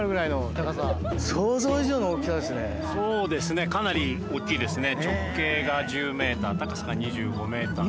そうですねかなり大きいですね。